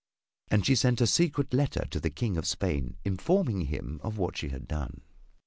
And she sent a secret letter to the King of Spain, informing him of what she had done.